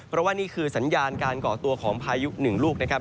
เพราะว่านี่คือสัญญาณการก่อตัวของพายุหนึ่งลูกนะครับ